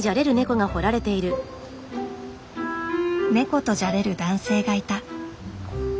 ネコとじゃれる男性がいた。